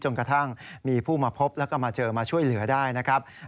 กระทั่งมีผู้มาพบแล้วก็มาเจอมาช่วยเหลือได้นะครับ